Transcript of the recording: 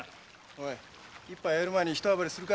おい一杯やる前にひと暴れするか？